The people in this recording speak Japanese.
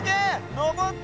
のぼった！